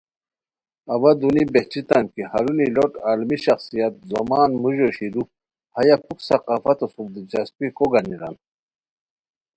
اوا دونی بہچیتام کی ہرونی لوٹ عالمی شخصیت زومان موژور شیرو ہیہ پُھک ثقافتو سوم دلچسپی کو گانیران